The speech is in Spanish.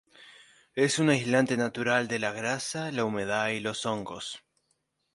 Es un aislante natural de la grasa, la humedad y los hongos.